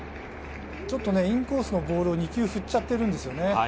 インコースのボールを２球振っちゃってるんですよね。